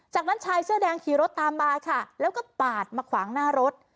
จากนั้นชายเสื้อแดงขี่รถตามมาค่ะแล้วก็ปาดมาขวางหน้ารถ